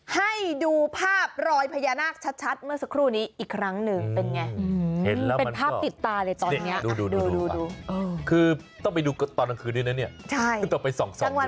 ให้ดูภาพรอยพญานาคชัดเมื่อสักครู่นี้อีกครั้งหนึ่งเป็นอย่างไร